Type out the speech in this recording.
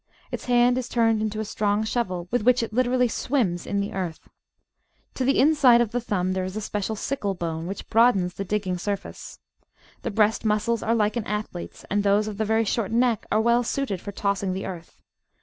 Its hand is turned into a strong shovel, with which it literally "swims" in the earth. To the inside of the thumb there is a special sickle bone, which broadens the digging surface. The breast muscles are like an athlete's, and those of the very short neck are well suited for tossing the earth.